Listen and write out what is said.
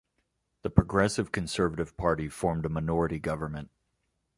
The Progressive Conservative Party formed a minority government.